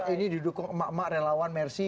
ini didukung emak emak relawan mersi